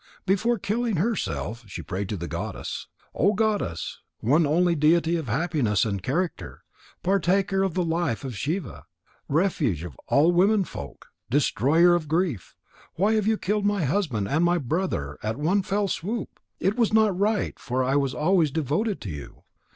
Before killing herself, she prayed to the goddess: "O Goddess! One only deity of happiness and character! Partaker of the life of Shiva! Refuge of all women folk! Destroyer of grief! Why have you killed my husband and my brother at one fell swoop? It was not right, for I was always devoted to you.